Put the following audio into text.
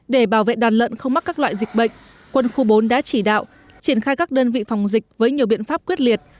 để bảo vệ đàn lợn không mắc các loại dịch bệnh quân khu bốn đã chỉ đạo triển khai các đơn vị phòng dịch với nhiều biện pháp quyết liệt